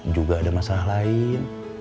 juga ada masalah lain